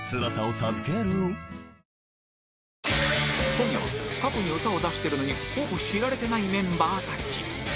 今夜は過去に歌を出してるのにほぼ知られてないメンバーたち